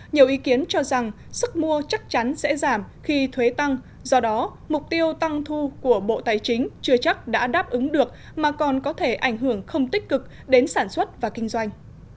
nhiều ý kiến cho rằng sức mua chắc chắn sẽ giảm khi thuế tăng do đó mục tiêu tăng thu của bộ tài chính chưa chắc đã đáp ứng được mà còn có thể ảnh hưởng không tích cực đến sản xuất và kinh doanh